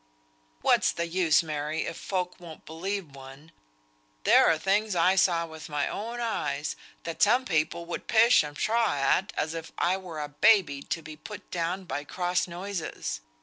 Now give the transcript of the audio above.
"What's the use, Mary, if folk won't believe one. There are things I saw with my own eyes, that some people would pish and pshaw at, as if I were a baby to be put down by cross noises.